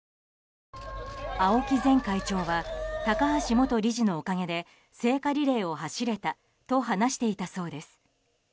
青木前会長は高橋元理事のおかげで聖火リレーを走れたと話していたそうです。